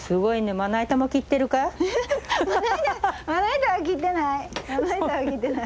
まな板は切ってない。